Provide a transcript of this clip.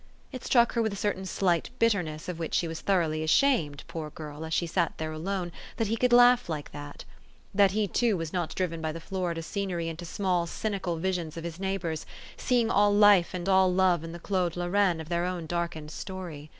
It struck her with a certain slight bitterness, of which she was thoroughly ashamed, poor girl! as she sat there alone, that he could laugh like that ; that he, too, was not driven by the Florida scenery into small, cynical visions of his neighbors, seeing all life and all love in the Claude Lorraine of their own darkened story.